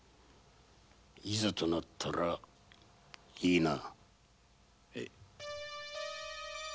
いざとなったらいいな。